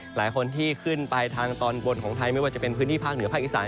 หลายคนที่ขึ้นไปทางตอนบนของไทยไม่ว่าจะเป็นพื้นที่ภาคเหนือภาคอีสาน